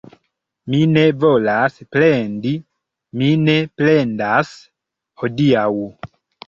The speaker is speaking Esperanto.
Mi ne volas plendi... Mi ne plendas hodiaŭ